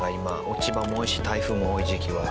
落ち葉も多いし台風も多い時期は。